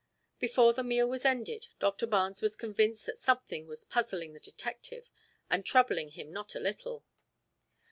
Before the meal was ended Doctor Barnes was convinced that something was puzzling the detective, and troubling him not a little.